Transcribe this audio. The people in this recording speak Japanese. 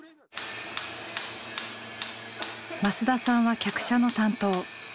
増田さんは客車の担当。